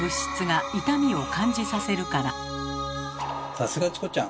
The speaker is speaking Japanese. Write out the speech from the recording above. さすがチコちゃん！